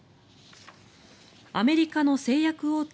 アメリカの製薬大手